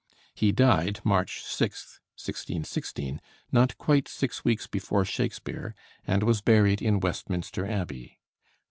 He died March 6th, 1616, not quite six weeks before Shakespeare, and was buried in Westminster Abbey.